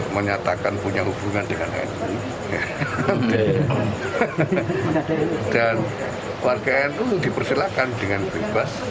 menyatakan punya hubungan dengan nu dan warga nu dipersilakan dengan bebas